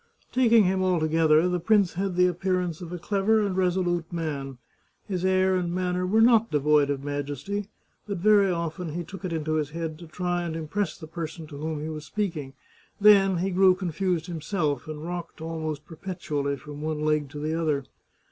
Taking him altogether, the prince had the appearance of a clever and resolute man. His air and manner were not devoid of majesty, but very often he took it into his head to try and impress the person to whom he was speaking; then he grew confused himself, and rocked almost perpetually from one leg to the other.